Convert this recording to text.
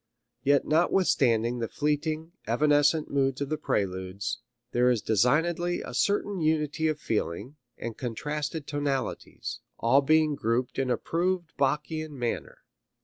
Yet notwithstanding the fleeting, evanescent moods of the Preludes, there is designedly a certain unity of feeling and contrasted tonalities, all being grouped in approved Bach ian manner.